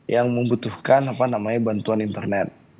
yang membutuhkan bantuan internet